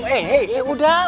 eh cek udah kum